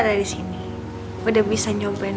dari sini udah bisa nyobain